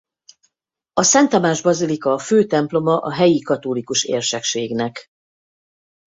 A Szent Tamás-bazilika a fő temploma a helyi katolikus érsekségnek.